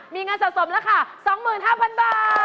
มีเงินสะสมราคา๒๕๐๐๐บาท